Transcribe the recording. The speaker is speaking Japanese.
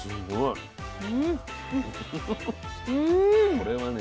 これはね